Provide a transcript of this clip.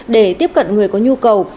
để tiếp cận người có nhu cầu